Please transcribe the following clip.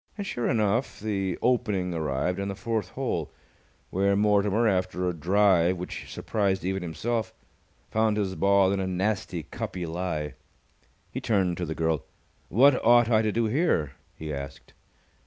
And sure enough, the opening arrived on the fourth hole, where Mortimer, after a drive which surprised even himself, found his ball in a nasty cuppy lie. He turned to the girl. "What ought I to do here?" he asked.